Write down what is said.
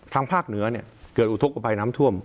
ทางภาคเหนือเกิดอุทธกภัยน้ำท่วม